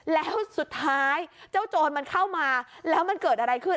แล้วสุดท้ายเจ้าโจรมันเข้ามาแล้วมันเกิดอะไรขึ้น